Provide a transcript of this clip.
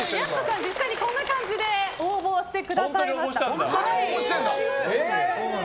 実際にこんな感じで応募してくださいました。